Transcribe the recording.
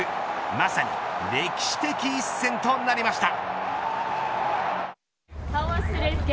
まさに歴史的一戦となりました。